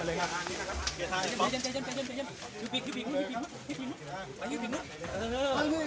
และก็คืน